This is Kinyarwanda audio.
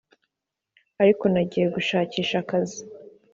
ariko nagiye gushakisha akazi,